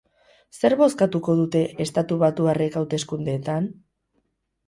Zer bozkatuko dute estatubatuarrek hauteskundeetan?